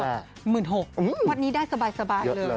๑๖๐๐๐บาทวันนี้ได้สบายเยอะเลย